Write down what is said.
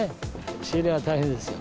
仕入れが大変ですよ。